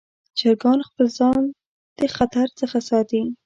چرګان خپل ځان د خطر څخه ساتي.